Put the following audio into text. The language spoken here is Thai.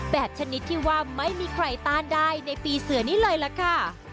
ชนิดที่ว่าไม่มีใครต้านได้ในปีเสือนี้เลยล่ะค่ะ